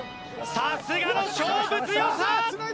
さすがの勝負強さ！